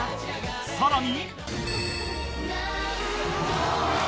［さらに］